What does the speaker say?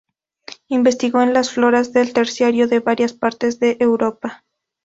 Investigó en las floras del terciario de varias partes de Europa.